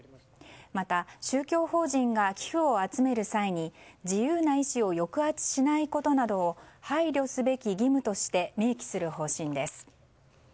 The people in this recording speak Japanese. また宗教法人が寄付を集める際に自由な意思を抑圧しないことなどを配慮すべき義務として明記する方針です。